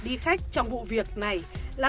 đi khách trong vụ việc này là